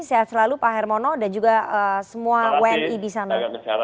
sehat selalu pak hermono dan juga semua wni di sana